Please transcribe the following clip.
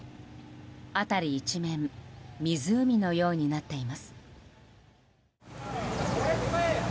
辺り一面湖のようになっています。